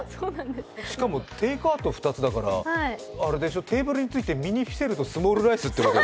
しかもテイクアウト２つだからテーブルに着いて、ミニフィセルとスモールライスってこと？